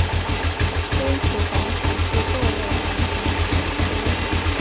尖齿黄耆是豆科黄芪属的植物。